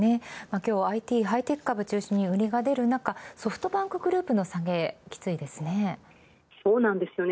今日ＩＴハイテク株中心に売りが出るなかソフトバンクグループの下げ、きついですね。